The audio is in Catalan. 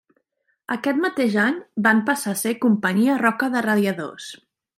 Aquest mateix any, van passar a ser Companyia Roca de Radiadors.